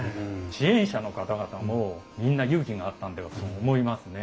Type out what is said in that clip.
支援者の方々もみんな勇気があったんだと思いますね。